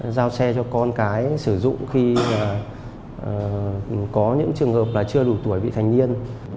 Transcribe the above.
giao xe cho con cái sử dụng khi có những trường hợp là chưa đủ tuổi bị thanh niên